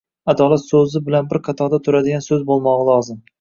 «adolat» so‘zi bilan bir qatorda turadigan so‘z bo‘lmog‘i lozim.